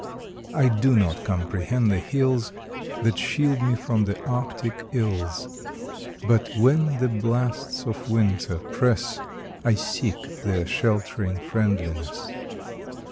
I do not comprehend the hills That shield me from the Arctic ills, But when the blasts of winter press I seek their sheltering friendliness.